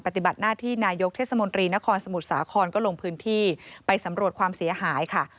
ปฏิบัติหน้าที่นายกเทศมนตรีนครสมุทรสาครก็ลงพื้นที่ไปสำรวจความเสียหายค่ะ